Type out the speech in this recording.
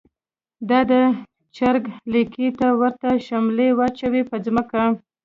دا د چر ګ لکۍ ته ورته شملی واچوی په ځمکه